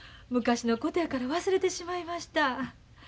昔のことやから忘れてしまいました。